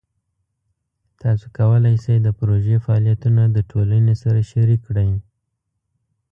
تاسو کولی شئ د پروژې فعالیتونه د ټولنې سره شریک کړئ.